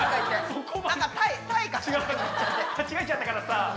間違えちゃったからさ。